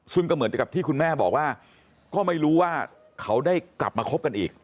ซึ่งก็เหมือนกับที่คุณแม่บอกว่าก็ไม่รู้ว่าเขาได้กลับมาคบกันอีก